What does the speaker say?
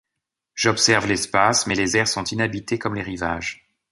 J’observe l’espace, mais les airs sont inhabités comme les rivages.